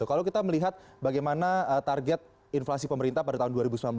kalau kita melihat bagaimana target inflasi pemerintah pada tahun dua ribu sembilan belas